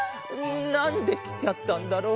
なんできちゃったんだろう。